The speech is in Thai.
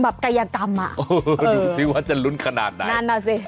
แบบกายกรรมอ่ะอยู่สิว่าจะลุ้นขนาดไหนนานาสิ